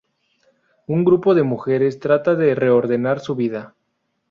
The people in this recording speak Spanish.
Un grupo de mujeres trata de reordenar su vida.